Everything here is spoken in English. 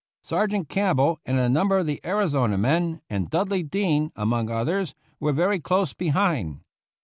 Sergeant Campbell and a number of the Arizona men, and Dudley Dean, among others, were very close behind.